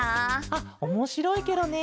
あっおもしろいケロね。